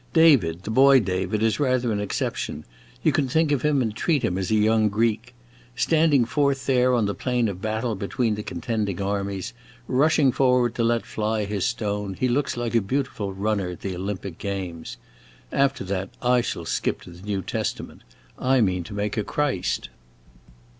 David, the boy David, is rather an exception; you can think of him and treat him as a young Greek. Standing forth there on the plain of battle between the contending armies, rushing forward to let fly his stone, he looks like a beautiful runner at the Olympic games. After that I shall skip to the New Testament. I mean to make a Christ."